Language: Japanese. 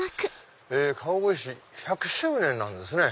川越市１００周年なんですね。